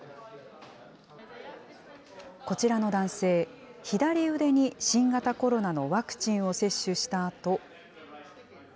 こちらの男性、左腕に新型コロナのワクチンを接種したあと。